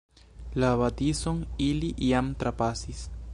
La abatison ili jam trapasis.